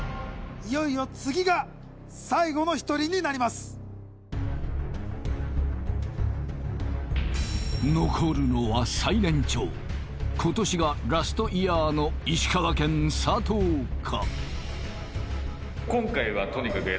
いよいよ次が最後の１人になります残るのは最年長今年がラストイヤーの石川県佐藤か？